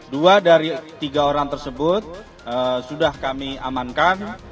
dua dari tiga orang tersebut sudah kami amankan